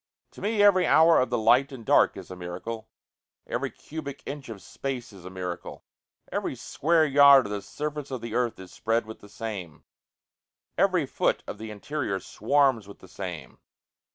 To me every hour of the light and dark is a miracle, Every cubic inch of space is a miracle, Every square yard of the surface of the earth is spread with the same, Every foot of the interior swarms with the same.